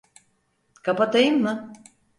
Kapatayım mı?